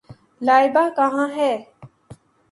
لائبہ کہاں ہے؟